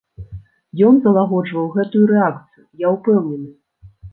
Ён залагоджваў гэтую рэакцыю, я ўпэўнены.